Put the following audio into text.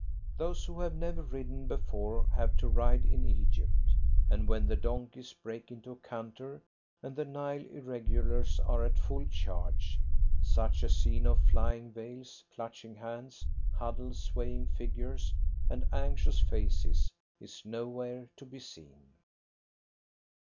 Those who have never ridden before have to ride in Egypt, and when the donkeys break into a canter, and the Nile Irregulars are at full charge, such a scene of flying veils, clutching hands, huddled swaying figures, and anxious faces is nowhere to be seen.